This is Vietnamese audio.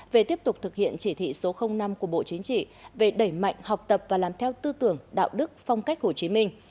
về tiếp tục thực hiện chỉ thị số năm của bộ chính trị về đẩy mạnh học tập và làm theo tư tưởng đạo đức phong cách hồ chí minh